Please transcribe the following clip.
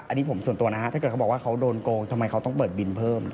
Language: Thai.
อันนี้ผมส่วนตัวนะฮะถ้าเกิดเขาบอกว่าเขาโดนโกงทำไมเขาต้องเปิดบินเพิ่ม